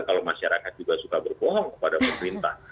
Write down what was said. kalau masyarakat juga suka berbohong kepada pemerintah